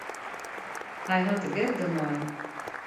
Hy hat de gek dermei.